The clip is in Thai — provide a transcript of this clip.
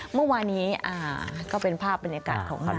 เมื่อวานี้ก็เป็นภาพบรรยากาศของงาน